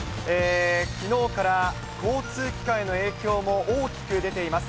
きのうから交通機関への影響も大きく出ています。